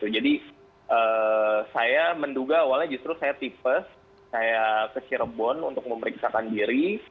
jadi saya menduga awalnya justru saya tipes saya ke cirebon untuk memeriksa diri